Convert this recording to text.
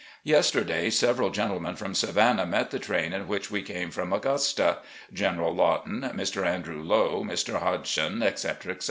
Yester day, several gentlemen from Savannah met the train in which we came from Augusta — General Lawton, Mr. Andrew Lowe, Mr. Hodgson, etc., etc.